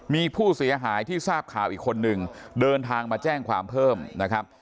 มีผู้เสียหายที่ทราบข่าวอีกคนนึงเดินทางมาแจ้งความเพิ่มนะครับ